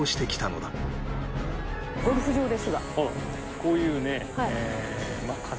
こういうね。